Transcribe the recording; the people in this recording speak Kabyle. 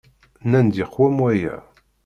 Nnan-d yeqwem waya.